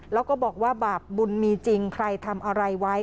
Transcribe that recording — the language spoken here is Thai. แล้วก็บอกว่าบาปบุญมีจริงใครทำอะไรไว้